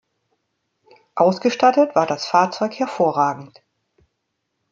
Ausgestattet war das Fahrzeug hervorragend.